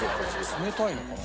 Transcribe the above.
冷たいのかな？